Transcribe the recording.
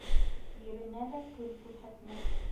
Иренә лә көн күрһәтмәҫ.